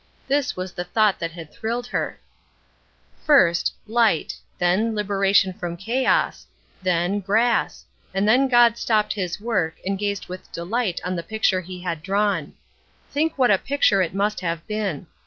This was the thought that had thrilled her: "First, light; then liberation from chaos; then grass; and then God stopped his work and gazed with delight on the picture he had drawn. Think what a picture it must have been!